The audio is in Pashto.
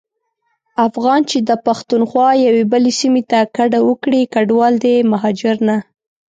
افغان چي د پښتونخوا یوې بلي سيمي ته کډه وکړي کډوال دی مهاجر نه.